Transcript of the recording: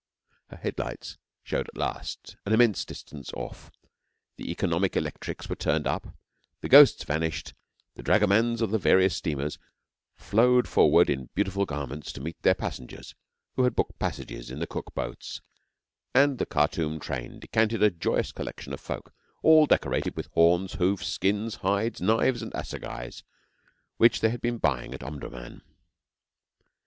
Her headlight showed at last, an immense distance off; the economic electrics were turned up, the ghosts vanished, the dragomans of the various steamers flowed forward in beautiful garments to meet their passengers who had booked passages in the Cook boats, and the Khartoum train decanted a joyous collection of folk, all decorated with horns, hoofs, skins, hides, knives, and assegais, which they had been buying at Omdurman.